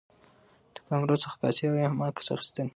د کامرو څخه عکاسي او یا هم عکس اخیستل